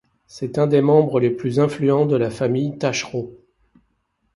C'est un des membres les plus influents de la famille Taschereau.